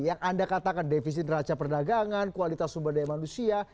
yang anda katakan defisit neraca perdagangan kualitas sumber daya manusia